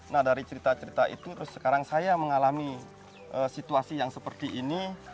nah dari cerita cerita itu terus sekarang saya mengalami situasi yang seperti ini